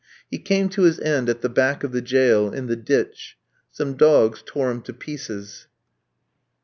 He came to his end at the back of the jail, in the ditch; some dogs tore him to pieces.